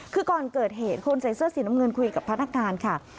คือก่อนเกิดเหตุคนใส่เสื้อสีน้ำเงินคุยกับพนักงานค่ะ